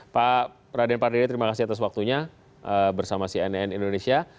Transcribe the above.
pak raden pardede terima kasih atas waktunya bersama cnn indonesia